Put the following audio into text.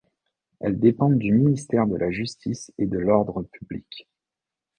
Elles dépendent du ministère de la justice et de l’ordre public.